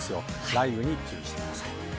雷雨に注意してください。